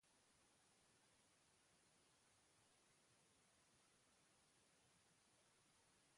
Merezimendu osoz lortu dute alemaniarrek txartela.